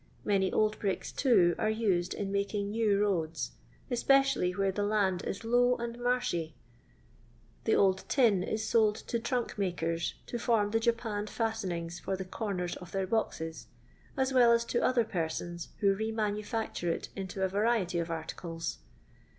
Many old bricks, too, are used in making new roads, especially where the land .is low and marshy. The old tin goes to form the japanned fiistenings for the comers of trunks, as well as to other persons, who re mannfiictiire it into a variety of articles.